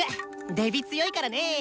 デビ強いからね。